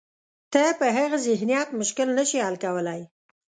ته په هغه ذهنیت مشکل نه شې حل کولای.